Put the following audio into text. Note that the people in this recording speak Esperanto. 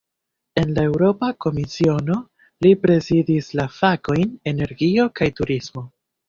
En la Eŭropa Komisiono, li prezidis la fakojn "energio kaj turismo".